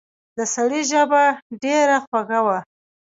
د سړي ژبه ډېره خوږه وه.